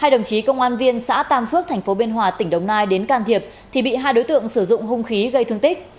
hai đồng chí công an viên xã tam phước thành phố biên hòa tỉnh đồng nai đến can thiệp thì bị hai đối tượng sử dụng hung khí gây thương tích